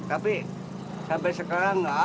tapi sampai sekarang nggak ada